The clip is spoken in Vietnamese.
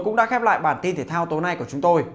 cũng đã khép lại bản tin thể thao tối nay của chúng tôi